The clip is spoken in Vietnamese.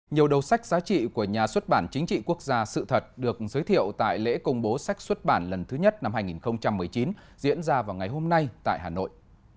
nhiều đầu sách giá trị của nhà xuất bản chính trị quốc gia sự thật được giới thiệu tại lễ công bố sách xuất bản lần thứ nhất năm hai nghìn một mươi chín diễn ra vào ngày hôm nay tại hà nội